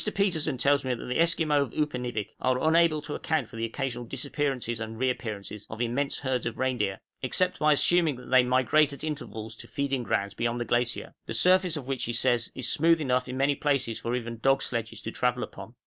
Petersen tells me that the Esquimaux of Upernivik are unable to account for occasional disappearances and reappearances of immense herds of reindeer, except by assuming that they migrate at intervals to feeding grounds beyond the glacier, the surface of which he also says is smooth enough in many places even for dog sledges to travel upon.